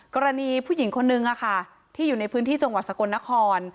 กรณีผู้หญิงคนนึงที่อยู่ในพื้นที่จังหวัดสกลนคร